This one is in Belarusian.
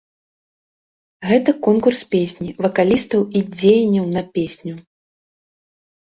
Гэта конкурс песні, вакалістаў і дзеянняў на песню.